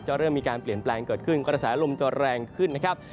เริ่มมีการเปลี่ยนแปลงเกิดขึ้นกระแสลมจะแรงขึ้นนะครับ